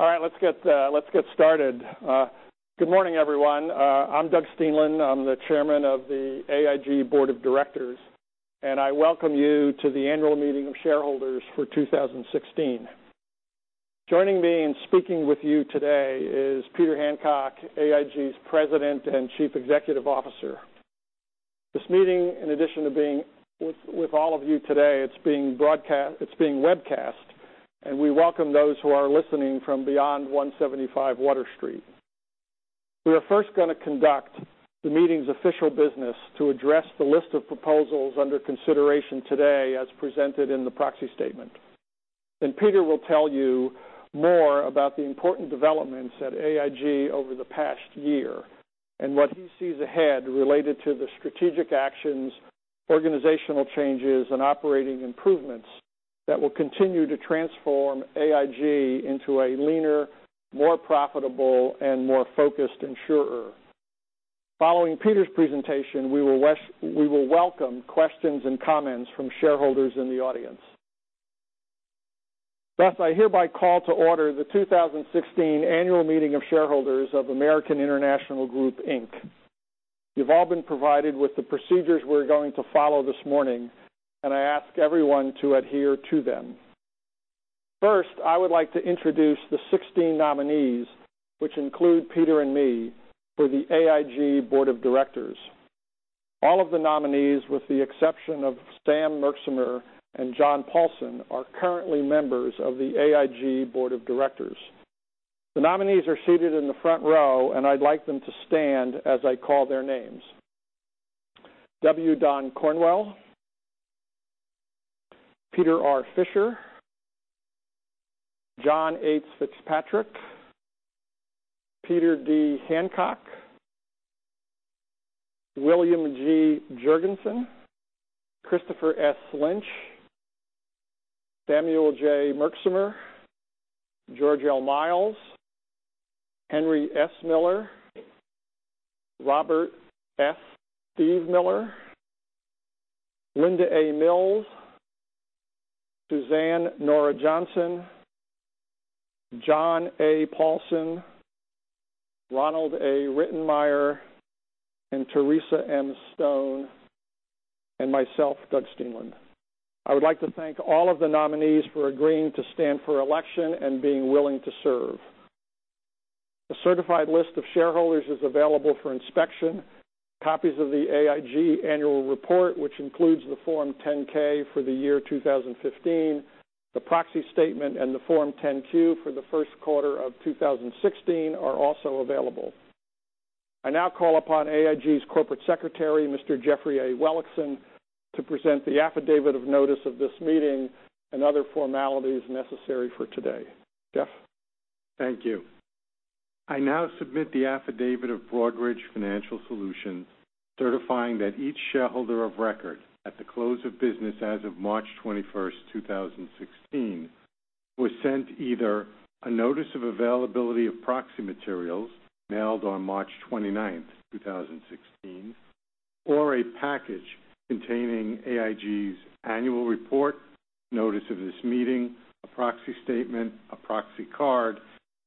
All right, let's get started. Good morning, everyone. I'm Doug Steenland. I'm the Chairman of the AIG Board of Directors, and I welcome you to the annual meeting of shareholders for 2016. Joining me and speaking with you today is Peter Hancock, AIG's President and Chief Executive Officer. This meeting, in addition to being with all of you today, it's being webcast, and we welcome those who are listening from beyond 175 Water Street. We are first going to conduct the meeting's official business to address the list of proposals under consideration today as presented in the proxy statement. Peter will tell you more about the important developments at AIG over the past year and what he sees ahead related to the strategic actions, organizational changes, and operating improvements that will continue to transform AIG into a leaner, more profitable, and more focused insurer. Following Peter's presentation, we will welcome questions and comments from shareholders in the audience. I hereby call to order the 2016 annual meeting of shareholders of American International Group, Inc. You've all been provided with the procedures we're going to follow this morning, and I ask everyone to adhere to them. First, I would like to introduce the 16 nominees, which include Peter and me for the AIG Board of Directors. All of the nominees, with the exception of Sam Merksamer and John Paulson, are currently members of the AIG Board of Directors. The nominees are seated in the front row, and I'd like them to stand as I call their names. W. Don Cornwell, Peter R. Fisher, John H. Fitzpatrick, Peter D. Hancock, William G. Jurgensen, Christopher S. Lynch, Samuel J. Merksamer, George L. Miles, Henry S. Miller, Robert S. "Steve" Miller, Linda A. Mills, Suzanne Nora Johnson, John A. Paulson, Ronald A. Rittenmeyer, and Theresa M. Stone, and myself, Doug Steenland. I would like to thank all of the nominees for agreeing to stand for election and being willing to serve. A certified list of shareholders is available for inspection. Copies of the AIG Annual Report, which includes the Form 10-K for the year 2015, the proxy statement, and the Form 10-Q for the first quarter of 2016 are also available. I now call upon AIG's Corporate Secretary, Mr. Jeffrey A. Welikson, to present the affidavit of notice of this meeting and other formalities necessary for today. Jeff? Thank you. I now submit the affidavit of Broadridge Financial Solutions certifying that each shareholder of record at the close of business as of March 21st, 2016, was sent either a notice of availability of proxy materials mailed on March 29th, 2016, or a package containing AIG's annual report, notice of this meeting, a proxy statement, a proxy card,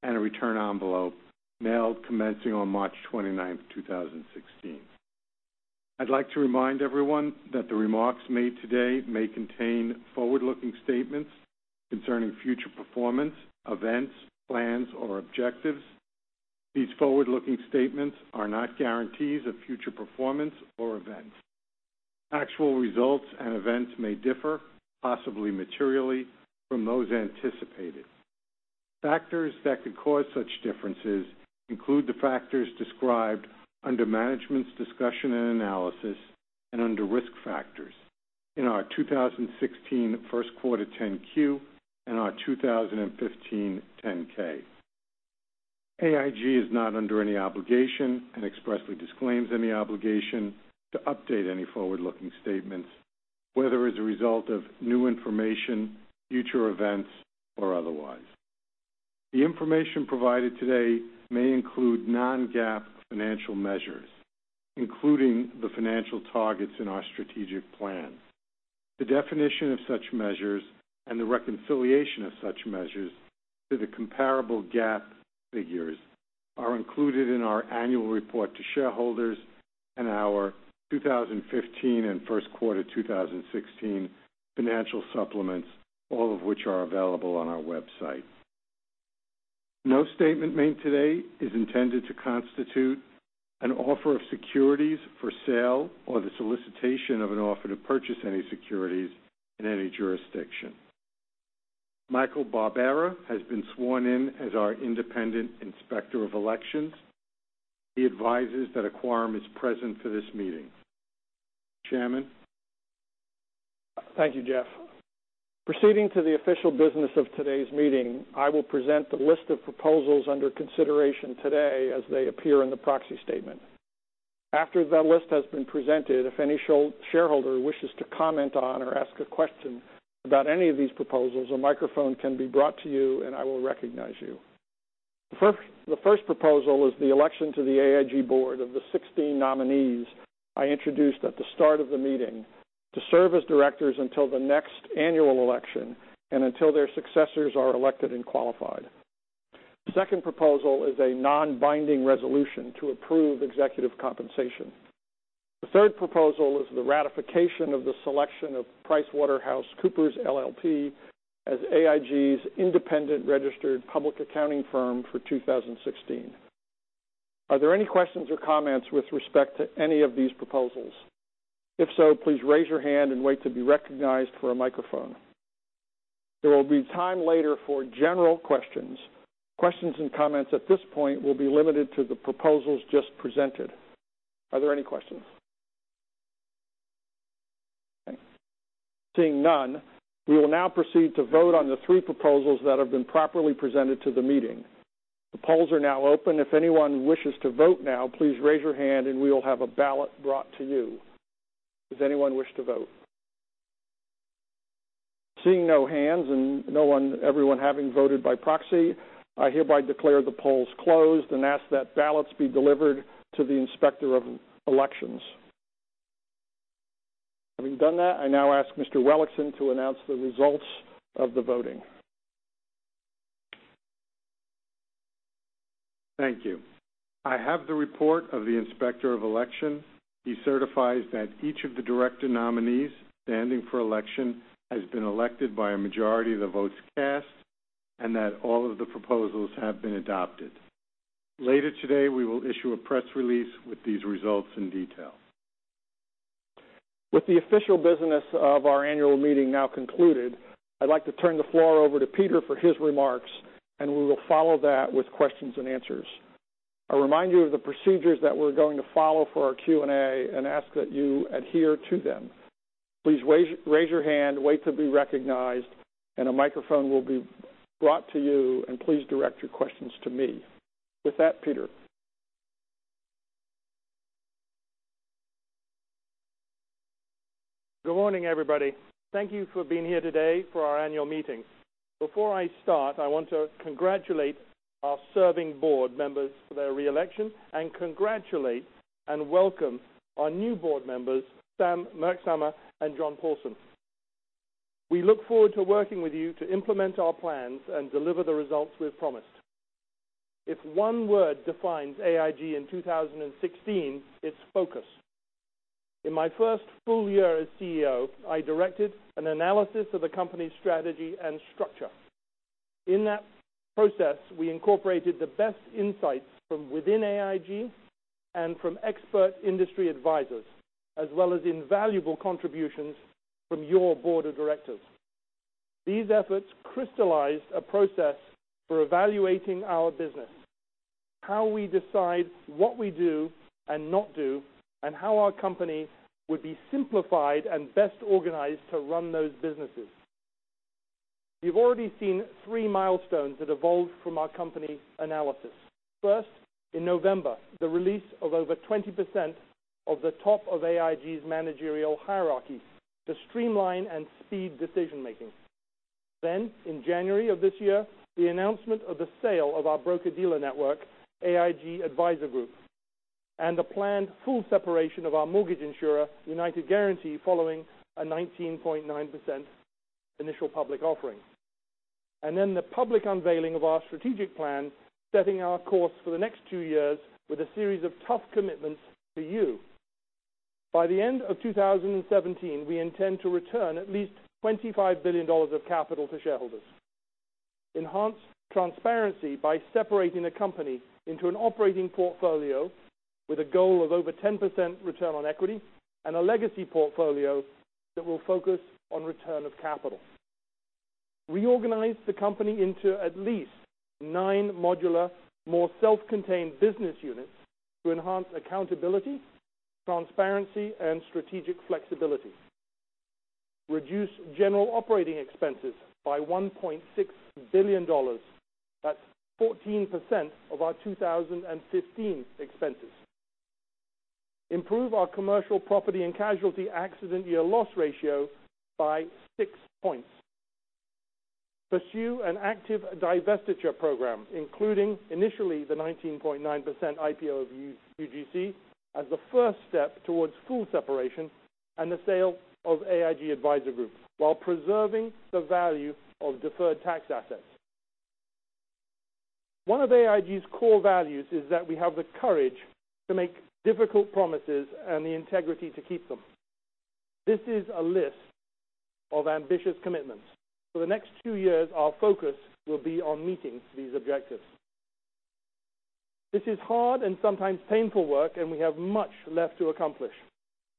and a return envelope mailed commencing on March 29th, 2016. I'd like to remind everyone that the remarks made today may contain forward-looking statements concerning future performance, events, plans, or objectives. These forward-looking statements are not guarantees of future performance or events. Actual results and events may differ, possibly materially, from those anticipated. Factors that could cause such differences include the factors described under Management's Discussion and Analysis and under Risk Factors in our 2016 first quarter 10-Q and our 2015 10-K. AIG is not under any obligation and expressly disclaims any obligation to update any forward-looking statements, whether as a result of new information, future events, or otherwise. The information provided today may include non-GAAP financial measures, including the financial targets in our strategic plan. The definition of such measures and the reconciliation of such measures to the comparable GAAP figures are included in our annual report to shareholders and our 2015 and first quarter 2016 financial supplements, all of which are available on our website. No statement made today is intended to constitute an offer of securities for sale or the solicitation of an offer to purchase any securities in any jurisdiction. Michael Barbera has been sworn in as our independent inspector of elections. He advises that a quorum is present for this meeting. Chairman? Thank you, Jeff. Proceeding to the official business of today's meeting, I will present the list of proposals under consideration today as they appear in the proxy statement. After that list has been presented, if any shareholder wishes to comment on or ask a question about any of these proposals, a microphone can be brought to you, and I will recognize you. The first proposal is the election to the AIG board of the 16 nominees I introduced at the start of the meeting to serve as directors until the next annual election and until their successors are elected and qualified. The second proposal is a non-binding resolution to approve executive compensation. The third proposal is the ratification of the selection of PricewaterhouseCoopers LLP as AIG's independent registered public accounting firm for 2016. Are there any questions or comments with respect to any of these proposals? If so, please raise your hand and wait to be recognized for a microphone. There will be time later for general questions. Questions and comments at this point will be limited to the proposals just presented. Are there any questions? Okay. Seeing none, we will now proceed to vote on the three proposals that have been properly presented to the meeting. The polls are now open. If anyone wishes to vote now, please raise your hand and we will have a ballot brought to you. Does anyone wish to vote? Seeing no hands and everyone having voted by proxy, I hereby declare the polls closed and ask that ballots be delivered to the Inspector of Elections. Having done that, I now ask Mr. Welikson to announce the results of the voting. Thank you. I have the report of the Inspector of Election. He certifies that each of the director nominees standing for election has been elected by a majority of the votes cast and that all of the proposals have been adopted. Later today, we will issue a press release with these results in detail. With the official business of our annual meeting now concluded, I'd like to turn the floor over to Peter for his remarks, and we will follow that with questions and answers. I'll remind you of the procedures that we're going to follow for our Q&A and ask that you adhere to them. Please raise your hand, wait to be recognized, and a microphone will be brought to you, and please direct your questions to me. With that, Peter. Good morning, everybody. Thank you for being here today for our annual meeting. Before I start, I want to congratulate our serving board members for their re-election and congratulate and welcome our new board members, Sam Merksamer and John Paulson. We look forward to working with you to implement our plans and deliver the results we've promised. If one word defines AIG in 2016, it's focus. In my first full year as CEO, I directed an analysis of the company's strategy and structure. In that process, we incorporated the best insights from within AIG and from expert industry advisors, as well as invaluable contributions from your board of directors. These efforts crystallized a process for evaluating our business, how we decide what we do and not do, and how our company would be simplified and best organized to run those businesses. You've already seen three milestones that evolved from our company analysis. First, in November, the release of over 20% of the top of AIG's managerial hierarchy to streamline and speed decision-making. In January of this year, the announcement of the sale of our broker-dealer network, AIG Advisor Group. The planned full separation of our mortgage insurer, United Guaranty, following a 19.9% initial public offering. The public unveiling of our strategic plan, setting our course for the next two years with a series of tough commitments to you. By the end of 2017, we intend to return at least $25 billion of capital to shareholders. Enhance transparency by separating the company into an operating portfolio with a goal of over 10% return on equity, and a legacy portfolio that will focus on return of capital. Reorganize the company into at least nine modular, more self-contained business units to enhance accountability, transparency, and strategic flexibility. Reduce general operating expenses by $1.6 billion. That's 14% of our 2015 expenses. Improve our commercial property and casualty accident year loss ratio by six points. Pursue an active divestiture program, including initially the 19.9% IPO of UGC as the first step towards full separation and the sale of AIG Advisor Group while preserving the value of deferred tax assets. One of AIG's core values is that we have the courage to make difficult promises and the integrity to keep them. This is a list of ambitious commitments. For the next two years, our focus will be on meeting these objectives. This is hard and sometimes painful work, and we have much left to accomplish.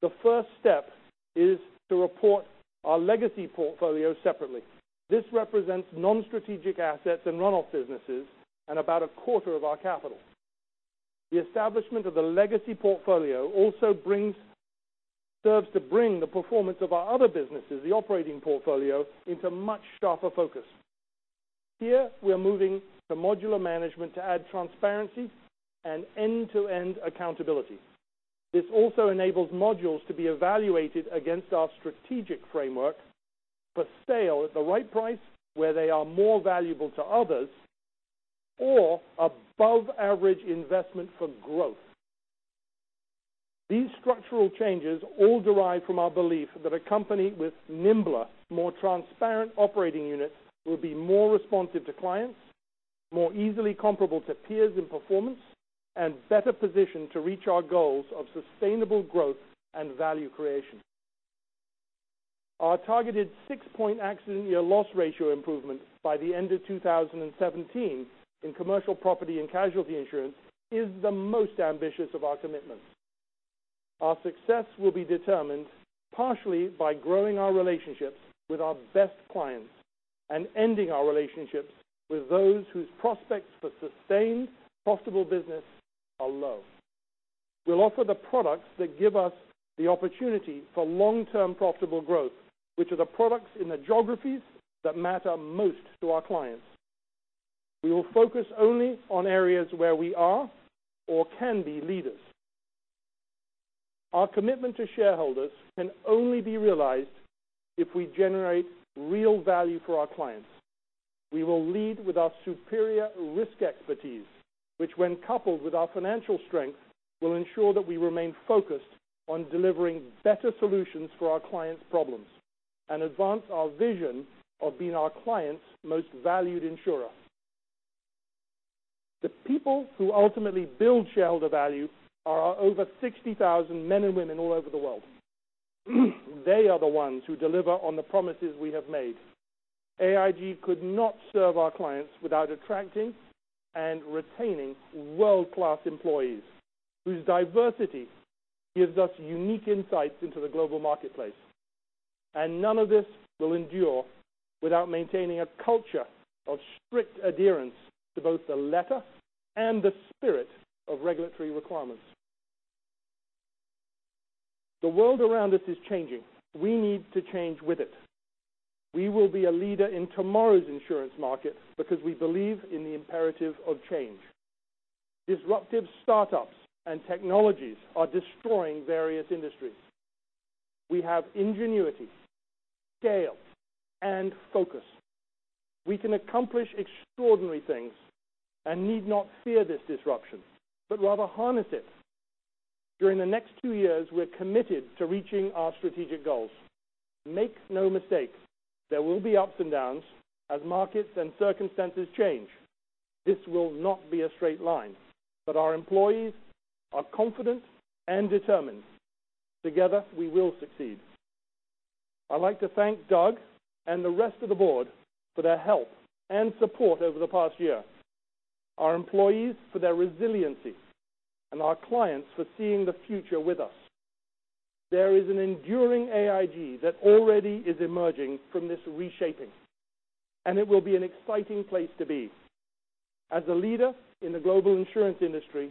The first step is to report our legacy portfolio separately. This represents non-strategic assets and run-off businesses and about a quarter of our capital. The establishment of the legacy portfolio also serves to bring the performance of our other businesses, the operating portfolio, into much sharper focus. Here, we are moving to modular management to add transparency and end-to-end accountability. This also enables modules to be evaluated against our strategic framework for sale at the right price where they are more valuable to others or above average investment for growth. These structural changes all derive from our belief that a company with nimbler, more transparent operating units will be more responsive to clients, more easily comparable to peers in performance, and better positioned to reach our goals of sustainable growth and value creation. Our targeted six-point accident year loss ratio improvement by the end of 2017 in commercial property and casualty insurance is the most ambitious of our commitments. Our success will be determined partially by growing our relationships with our best clients and ending our relationships with those whose prospects for sustained profitable business are low. We'll offer the products that give us the opportunity for long-term profitable growth, which are the products in the geographies that matter most to our clients. We will focus only on areas where we are or can be leaders. Our commitment to shareholders can only be realized if we generate real value for our clients. We will lead with our superior risk expertise, which when coupled with our financial strength, will ensure that we remain focused on delivering better solutions for our clients' problems and advance our vision of being our clients' most valued insurer. The people who ultimately build shareholder value are our over 60,000 men and women all over the world. They are the ones who deliver on the promises we have made. AIG could not serve our clients without attracting and retaining world-class employees whose diversity gives us unique insights into the global marketplace. None of this will endure without maintaining a culture of strict adherence to both the letter and the spirit of regulatory requirements. The world around us is changing. We need to change with it. We will be a leader in tomorrow's insurance market because we believe in the imperative of change. Disruptive startups and technologies are destroying various industries. We have ingenuity, scale, and focus. We can accomplish extraordinary things and need not fear this disruption, but rather harness it. During the next two years, we're committed to reaching our strategic goals. Make no mistake, there will be ups and downs as markets and circumstances change. This will not be a straight line, our employees are confident and determined. Together, we will succeed. I'd like to thank Doug and the rest of the board for their help and support over the past year, our employees for their resiliency, and our clients for seeing the future with us. There is an enduring AIG that already is emerging from this reshaping, it will be an exciting place to be. As a leader in the global insurance industry,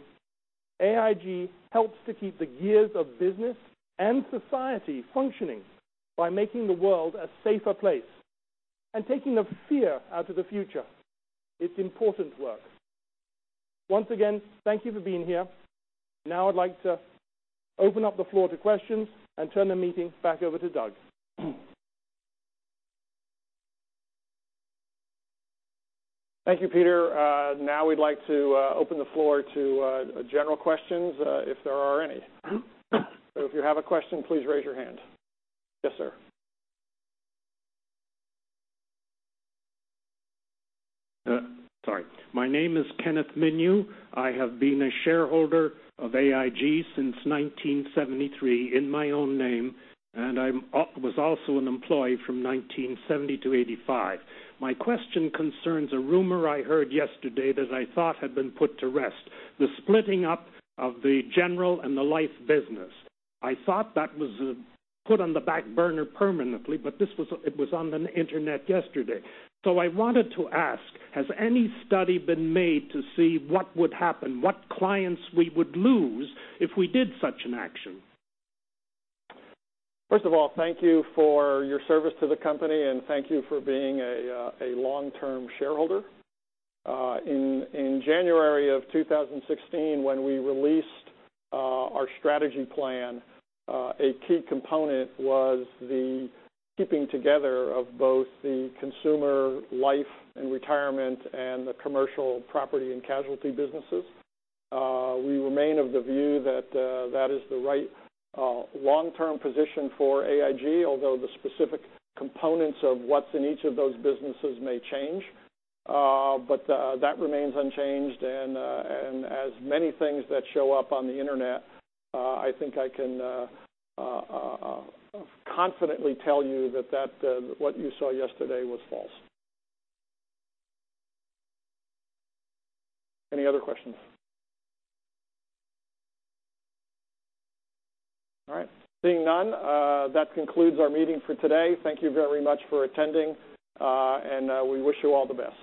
AIG helps to keep the gears of business and society functioning by making the world a safer place and taking the fear out of the future. It's important work. Once again, thank you for being here. Now I'd like to open up the floor to questions and turn the meeting back over to Doug. Thank you, Peter. We'd like to open the floor to general questions, if there are any. If you have a question, please raise your hand. Yes, sir. Sorry. My name is Kenneth Steiner. I have been a shareholder of AIG since 1973 in my own name, and I was also an employee from 1970 to 1985. My question concerns a rumor I heard yesterday that I thought had been put to rest, the splitting up of the general and the life business. I thought that was put on the back burner permanently, it was on the internet yesterday. I wanted to ask, has any study been made to see what would happen, what clients we would lose if we did such an action? First of all, thank you for your service to the company, thank you for being a long-term shareholder. In January of 2016, when we released our strategy plan, a key component was the keeping together of both the consumer life and retirement and the commercial property and casualty businesses. We remain of the view that that is the right long-term position for AIG, although the specific components of what's in each of those businesses may change. That remains unchanged. As many things that show up on the internet, I think I can confidently tell you that what you saw yesterday was false. Any other questions? All right. Seeing none, that concludes our meeting for today. Thank you very much for attending, we wish you all the best.